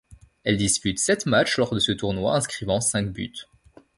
Elle dispute sept matchs lors de ce tournoi, inscrivant cinq buts.